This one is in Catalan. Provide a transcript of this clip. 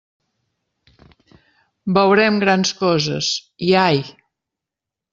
Veurem grans coses, i... ai!